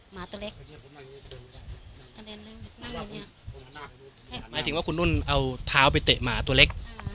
ตัวเล็กหมายถึงว่าคุณนุ่นเอาเท้าไปเตะหมาตัวเล็ก